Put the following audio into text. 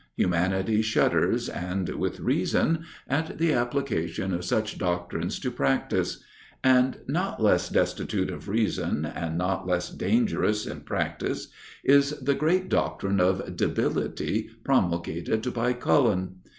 Humanity shudders, and with reason, at the application of such doctrines to practice. And not less destitute of reason, and not less dangerous in practice, is the great doctrine of debility promulgated by Cullen.